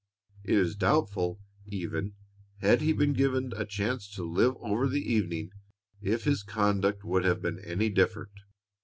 It is doubtful, even, had he been given a chance to live over the evening, if his conduct would have been any different.